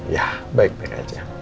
ya baik baik aja